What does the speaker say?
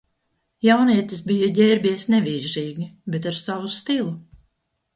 Jaunietis bija ģērbies nevīžīgi, bet ar savu stilu